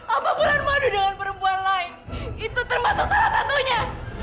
apa bulan madu dengan perempuan lain itu termasuk salah satunya